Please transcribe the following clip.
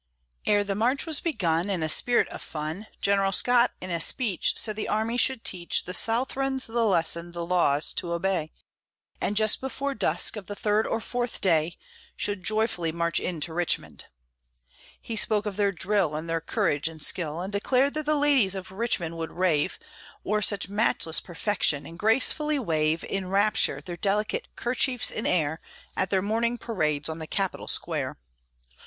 Ere the march was begun, In a spirit of fun, General Scott in a speech Said the army should teach The Southrons the lesson the laws to obey, And just before dusk of the third or fourth day, Should joyfully march into Richmond. He spoke of their drill, And their courage and skill, And declared that the ladies of Richmond would rave O'er such matchless perfection, and gracefully wave In rapture their delicate kerchiefs in air At their morning parades on the Capitol Square.